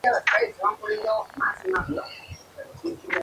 El casco de la hacienda permaneció como propiedad privada.